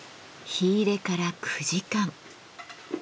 火入れから９時間。